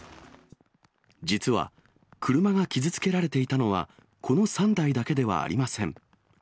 実は、車が傷つけられていたのは、この３台だけではありません。